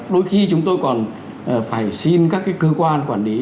đôi khi chúng tôi còn phải xin các cơ quan quản lý